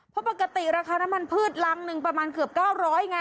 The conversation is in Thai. เพราะปกติราคาน้ำมันพืชรังหนึ่งประมาณเกือบ๙๐๐ไง